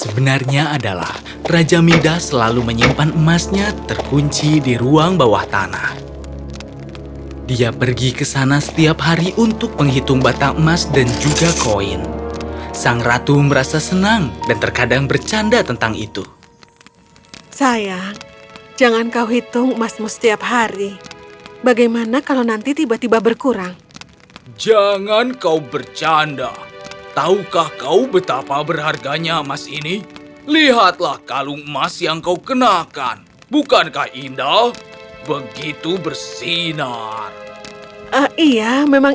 berharga ini tidak akan bisa memberikan kita semua kebahagiaan